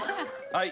はい。